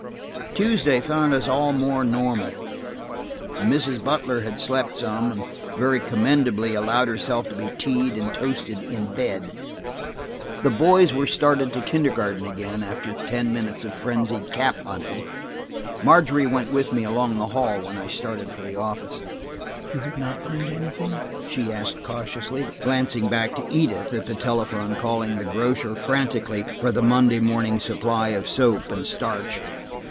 Tuesday found us all more normal. Mrs. Butler had slept some, and very commendably allowed herself to be tea'd and toasted in bed. The boys were started to kindergarten, after ten minutes of frenzied cap hunting. Margery went with me along the hall when I started for the office. "You have not learned anything?" she asked cautiously, glancing back to Edith, at the telephone calling the grocer frantically for the Monday morning supply of soap and starch.